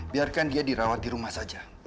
biarkan dia dirawat di rumah saja